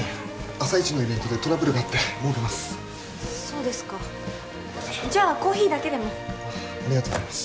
朝イチのイベントでトラブルがあってもう出ますそうですかじゃあコーヒーだけでもあっありがとうございます